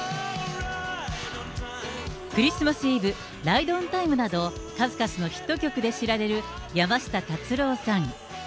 クリスマス・イブ、ライド・オン・タイムなど、数々のヒット曲で知られる山下達郎さん。